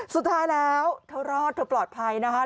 สุดท้ายแล้วเธอรอดเธอปลอดภัยนะคะ